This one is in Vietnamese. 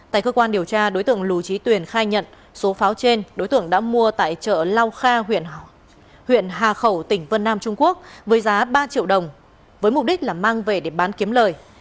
tại cơ quan điều tra đối tượng lù trí tuyền khai nhận số pháo trên đối tượng đã mua tại chợ lao kha huyện hà khẩu tỉnh vân nam trung quốc với giá ba triệu đồng với mục đích là mang về để bán kiếm lời